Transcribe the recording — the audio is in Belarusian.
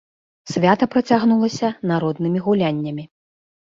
Свята працягнулася народнымі гуляннямі.